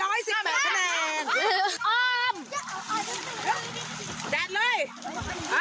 ดูสักกากหมดแล้ว